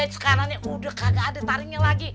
sekarang ini udah kagak ada taringnya lagi